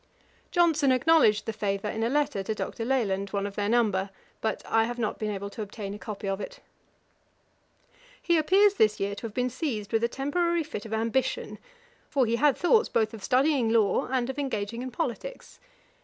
Johnson acknowledged the favour in a letter to Dr. Leland, one of their number; but I have not been able to obtain a copy of it. He appears this year to have been seized with a temporary fit of ambition, for he had thoughts both of studying law and of engaging in politics.